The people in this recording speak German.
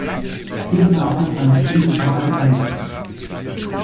Hier bedarf es eines integralen Ansatzes.